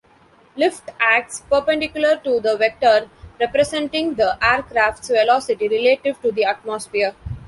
Lift acts perpendicular to the vector representing the aircraft's velocity relative to the atmosphere.